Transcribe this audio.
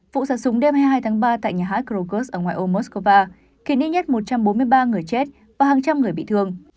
vụ sản súng đêm hai mươi hai tháng ba tại nhà hát krogus ở ngoài ô moscow khiến ít nhất một trăm bốn mươi ba người chết và hàng trăm người bị thương